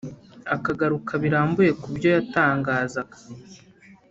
akagaruka birambuye ku byo yatangazaga